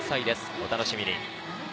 お楽しみに。